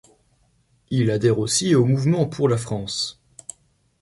Il adhère aussi au Mouvement pour la France.